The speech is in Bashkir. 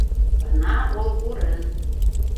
Бына ул урын!